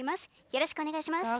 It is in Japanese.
よろしくお願いします。